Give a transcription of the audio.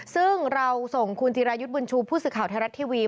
ซึ่งเราส่งคุณจิรายุทธ์บุญชูผู้สื่อข่าวไทยรัฐทีวี